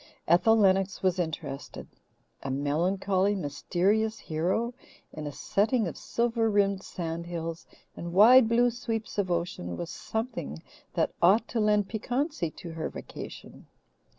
Ethel Lennox was interested. A melancholy, mysterious hero in a setting of silver rimmed sand hills and wide blue sweeps of ocean was something that ought to lend piquancy to her vacation.